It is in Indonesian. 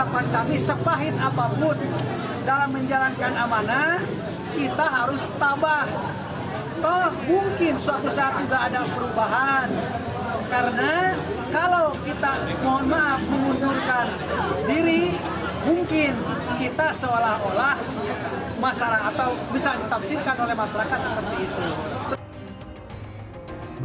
mungkin kita seolah olah masalah atau bisa ditaksirkan oleh masyarakat seperti itu